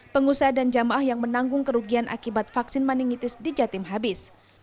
pengusaha dan jamaah yang menanggung kerugian akibat vaksin meningitis di jatim habis